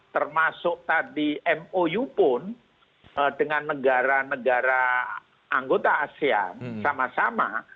termasuk tadi mou pun dengan negara negara anggota asean sama sama